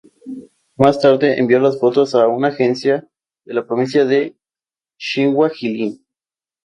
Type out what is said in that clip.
Más tarde envió las fotos a una agencia de la provincia de Xinhua Jilin.